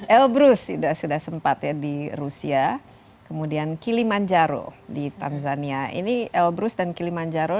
elbrus sudah sempat ya di rusia kemudian kilimanjaro di tanzania ini elbrus dan kilimanjaro